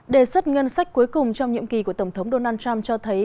đề xuất ngân sách cuối cùng trong nhiệm kỳ của tổng thống donald trump cho thấy